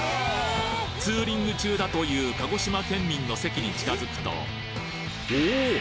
ツーリング中だという鹿児島県民の席に近づくとおおっ！